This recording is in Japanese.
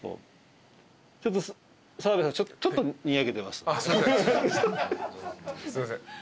すいません。